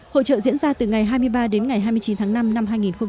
hội trợ diễn ra từ ngày hai mươi ba đến ngày hai mươi chín tháng năm năm hai nghìn hai mươi